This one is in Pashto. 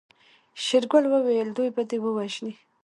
شېرګل وويل دوی به دې ووژني.